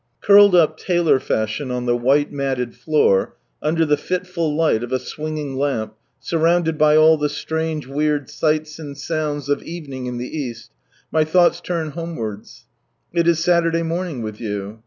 — Curled up tail or fash ion on the white matted floor, under the fitful light of a swinging lamp, surrounded by all the strange weird sights and sounds of evening in the East, my thoughts turn home wards, Jt is Saturday morning with you.